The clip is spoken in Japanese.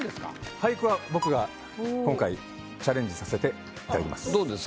俳句は僕が今回チャレンジさせていただきます。